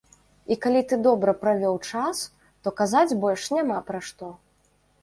І калі ты добра правёў час, то казаць больш няма пра што.